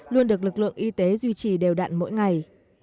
luôn được lực lượng y tế duy trì đều đạn mỗi ngày